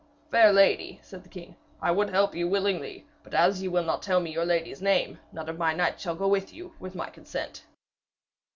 'Fair lady,' said the king, 'I would help you willingly, but as ye will not tell me your lady's name, none of my knights here shall go with you with my consent.'